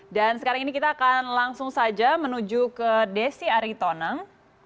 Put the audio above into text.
dan sekarang ini kita akan langsung saja menuju ke desi aritonang